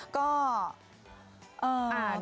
ก็เอ่อ